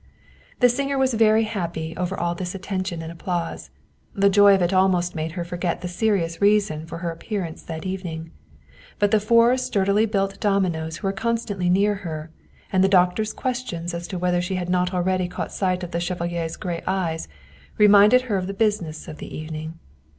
The singer was very happy over all this attention and applause. The joy of it almost made her forget the seri ous reason for her appearance that evening. But the four sturdily built dominos who were constantly near her, and the doctor's questions as to whether she had not already caught sight of the chevalier's gray eyes, reminded her of the business of the evening.